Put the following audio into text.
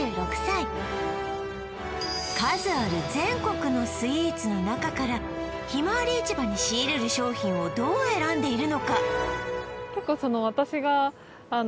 ２６歳数ある全国のスイーツの中からひまわり市場に仕入れる商品をどう選んでいるのか？